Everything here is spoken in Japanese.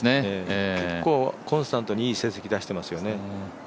結構、コンスタントにいい成績、とってますよね。